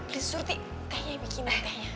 bisurti tehnya bikin tehnya